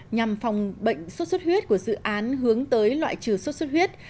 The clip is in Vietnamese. nhằm phòng bệnh sốt xuất huyết của dự án hướng tới loại trừ sốt xuất huyết